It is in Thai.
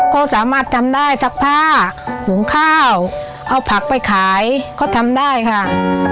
เขาสามารถทำได้ซักผ้าหุงข้าวเอาผักไปขายเขาทำได้ค่ะ